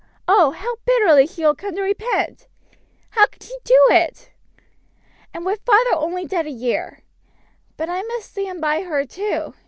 Oh, how bitterly she will come to repent! How could she do it! "And with father only dead a year! But I must stand by her, too.